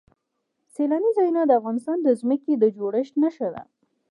سیلانی ځایونه د افغانستان د ځمکې د جوړښت نښه ده.